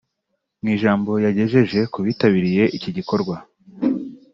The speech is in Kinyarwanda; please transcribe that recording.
Mu ijambo yagejeje ku bitabiriye iki gikorwa